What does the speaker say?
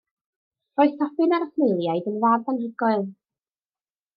Roedd Sobyn a'r Smeiliaid yn fand anhygoel.